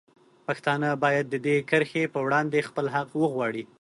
پښتانه باید د دې کرښې په وړاندې خپل حق وغواړي.